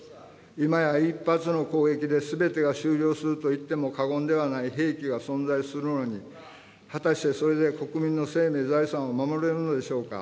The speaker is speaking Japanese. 今や１発の攻撃ですべてが終了すると言っても過言ではない兵器が存在するのに、果たしてそれで国民の生命財産を守れるのでしょうか。